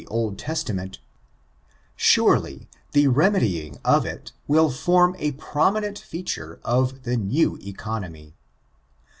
627 Old Testament, surely the remedying of it will form a prominent feature of the New Economy.